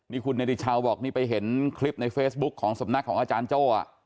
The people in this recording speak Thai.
นี่คุณเนติชาวบอกนี่ไปเห็นคลิปในเฟซบุ๊คของสำนักของอาจารย์โจ้